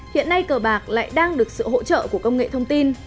hiện nay cờ bạc lại đang được sự hỗ trợ của công nghệ thông tin